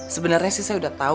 sebenarnya sih saya sudah tahu